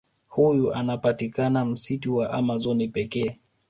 Huyu anapatikana msitu wa amazon pekee